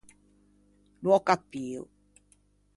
No ò capio!